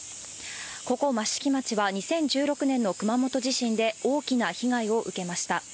ここ、益城町は２０１６年の熊本地震で大きな被害を受けました。